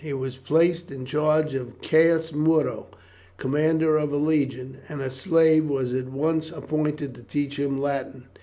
He was placed in the charge of Caius Muro, commander of a legion, and a slave was at once appointed to teach him Latin.